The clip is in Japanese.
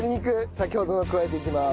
先ほどのを加えていきます。